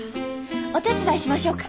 お手伝いしましょうか？